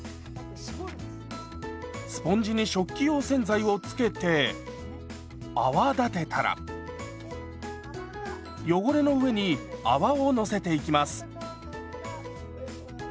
スポンジに食器用洗剤を付けて泡立てたら汚れの上に泡をのせていきます。